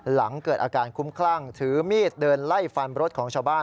หลังเกิดอาการคุ้มคลั่งถือมีดเดินไล่ฟันรถของชาวบ้าน